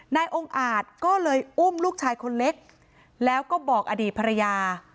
นายองค์อาจก็เลยอุ้มลูกชายคนเล็กแล้วก็บอกอดีตภรรยา